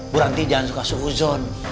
bu ranti jangan suka suhu zon